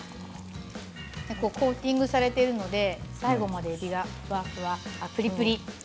コーティングされているので最後まで身がふわふわプリプリ。